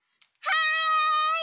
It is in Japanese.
はい！